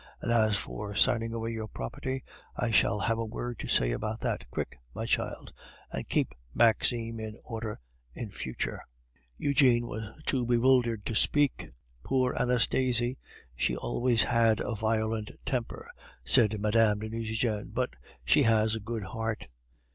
And as for signing away your property, I shall have a word to say about that. Quick, my child, and keep Maxime in order in future." Eugene was too bewildered to speak. "Poor Anastasie, she always had a violent temper," said Mme. de Nucingen, "but she has a good heart."